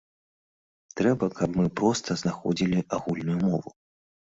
Трэба, каб мы проста знаходзілі агульную мову.